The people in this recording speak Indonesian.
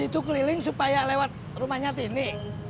situ keliling supaya lewat rumahnya tini